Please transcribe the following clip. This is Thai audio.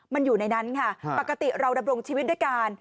มันอยู่ในนั้นค่ะปกติเราดำรงชีวิตด้วยกัน